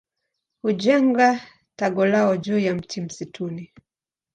Hujenga tago lao juu ya mti msituni.